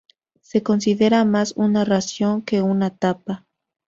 Se considera más una ración que una tapa.